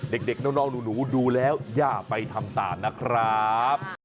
เด็กน้องหนูดูแล้วอย่าไปทำตามนะครับ